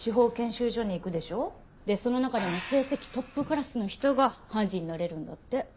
でその中でも成績トップクラスの人が判事になれるんだって。